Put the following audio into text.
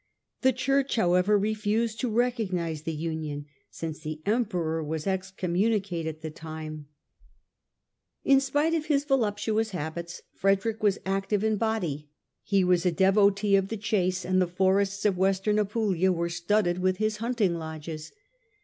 The Church, however, refused to recognise the union, since the Emperor was excommunicate at the time. THE YEARS OF SOLACE 123 In spite of his voluptuous habits, Frederick was active in body. He was a devotee of the chase and the forests of Western Apulia were studded with his hunting lodges.